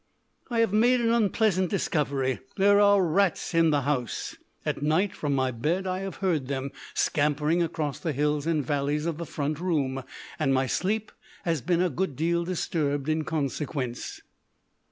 I have made an unpleasant discovery: there are rats in the house. At night from my bed I have heard them scampering across the hills and valleys of the front room, and my sleep has been a good deal disturbed in consequence.